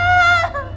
ayah sudah sadar ayah